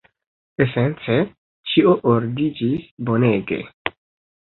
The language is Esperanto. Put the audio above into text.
Esence, ĉio ordiĝis bonege.